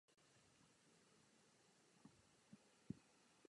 Zemřel následující rok.